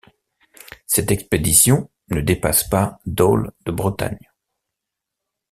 Cette expédition ne dépasse pas Dol de Bretagne.